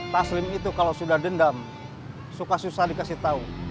taslim itu kalau sudah dendam suka susah susah dikasih tahu